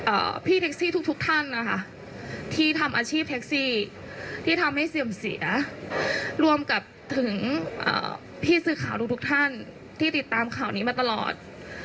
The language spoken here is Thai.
พี่แท็กซี่ทุกทุกท่านนะคะที่ทำอาชีพแท็กซี่ที่ทำให้เสื่อมเสียรวมกับถึงอ่าพี่สื่อข่าวทุกทุกท่านที่ติดตามข่าวนี้มาตลอด